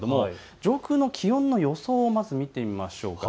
上空の気温の予想を見てみましょう。